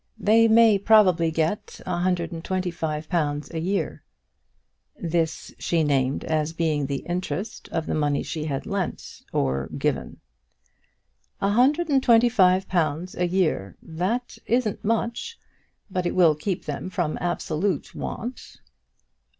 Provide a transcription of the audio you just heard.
They may probably get a hundred and twenty five pounds a year." This she named, as being the interest of the money she had lent or given. "A hundred and twenty five pounds a year. That isn't much, but it will keep them from absolute want."